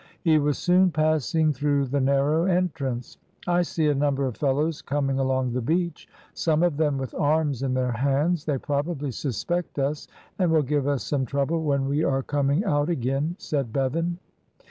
He was soon passing through the narrow entrance. "I see a number of fellows coming along the beach, some of them with arms in their hands. They probably suspect us, and will give us some trouble when we are coming out again," said Bevan.